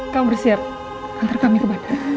kamu bersiap antar kami ke bandara